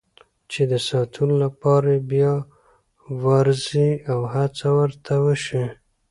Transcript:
چې د ساتلو لپاره یې بیا وارزي او هڅه ورته وشي.